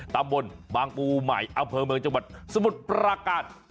ตำบลบางปูใหม่อำเภอเมืองจังหวัดสมุทรปราการ